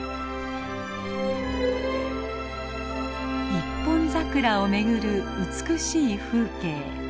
一本桜をめぐる美しい風景。